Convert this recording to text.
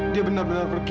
dia benar benar pergi